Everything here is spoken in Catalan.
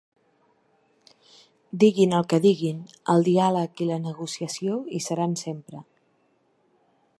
Diguin el que diguin, el diàleg i la negociació hi seran sempre.